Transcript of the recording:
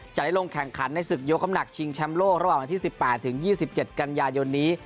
จะได้ลงแข่งขันในศึกยกคำหนักชิงแชมป์โลกระหว่างที่สิบแปดถึงยี่สิบเจ็ดกันยายนนี้